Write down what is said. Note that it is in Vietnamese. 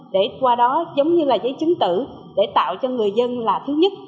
để qua đó giống như là giấy chứng tử để tạo cho người dân là thứ nhất